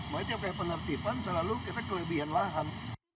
maka itu yang kayak penertipan selalu kita kelebihan lahan